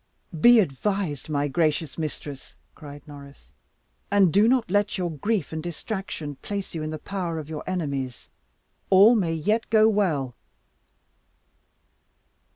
"Be advised, my gracious mistress," cried Norris, "and do not let your grief and distraction place you in the power of your enemies. All may yet go well."